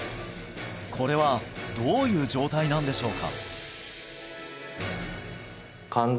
これはどういう状態なんでしょうか？